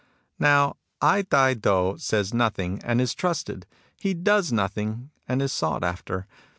..." Now Ai Tai To says nothing, and is trusted. He does nothing, and is sought after.